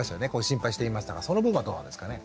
心配していましたがその分はどうなんですかね？